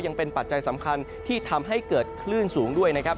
ปัจจัยสำคัญที่ทำให้เกิดคลื่นสูงด้วยนะครับ